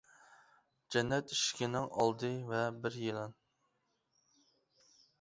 جەننەت ئىشىكىنىڭ ئالدى ۋە بىر يىلان.